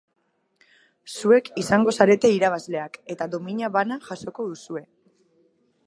Zuek izango zarete irabazleak eta domina bana jasoko duzue.